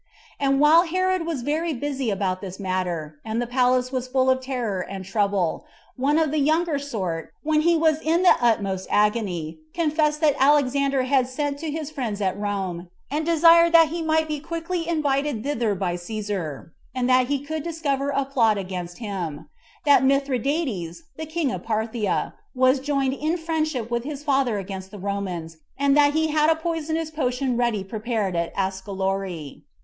And while Herod was very busy about this matter, and the palace was full of terror and trouble, one of the younger sort, when he was in the utmost agony, confessed that Alexander had sent to his friends at Rome, and desired that he might be quickly invited thither by Cæsar, and that he could discover a plot against him; that Mithridates, the king of Parthia, was joined in friendship with his father against the Romans, and that he had a poisonous potion ready prepared at Askelori. 5.